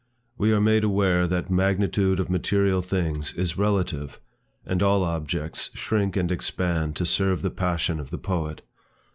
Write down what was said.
We are made aware that magnitude of material things is relative, and all objects shrink and expand to serve the passion of the poet.